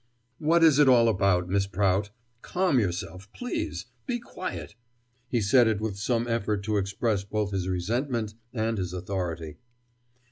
"What is it all about, Miss Prout? Calm yourself, please be quiet" he said it with some effort to express both his resentment and his authority.